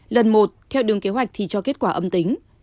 lần một theo đường kế hoạch thì cho kết quả âm tính